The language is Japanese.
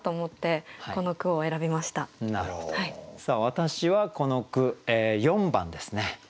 私はこの句４番ですね。